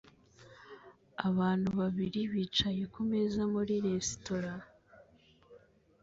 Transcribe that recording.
Abantu babiri bicaye kumeza muri resitora